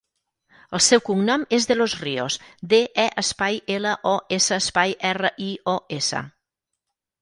El seu cognom és De Los Rios: de, e, espai, ela, o, essa, espai, erra, i, o, essa.